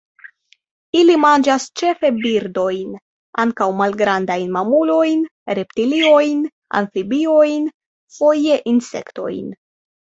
Ili manĝas ĉefe birdojn; ankaŭ malgrandajn mamulojn, reptiliojn, amfibiojn; foje insektojn.